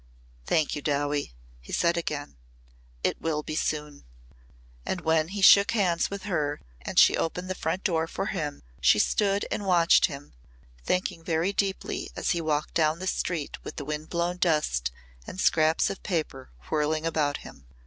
"Thank you, Dowie," he said again. "It will be soon." And when he shook hands with her and she opened the front door for him, she stood and watched him, thinking very deeply as he walked down the street with the wind blown dust and scraps of paper whirling about him.